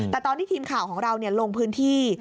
แต่ตอนที่ทีมข่าวของเราลงพื้นที่